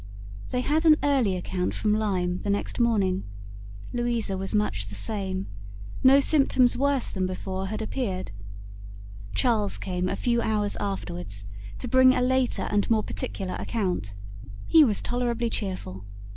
They had an early account from Lyme the next morning. Louisa was much the same. No symptoms worse than before had appeared. Charles came a few hours afterwards, to bring a later and more particular account. He was tolerably cheerful.